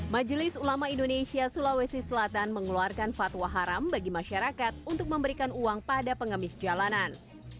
majelis ulama indonesia sulawesi selatan mengeluarkan fatwa haram bagi masyarakat untuk memberikan uang pada pengemis jalanan